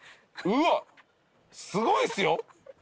うわっすごいっすよ！